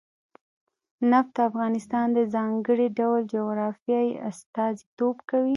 نفت د افغانستان د ځانګړي ډول جغرافیه استازیتوب کوي.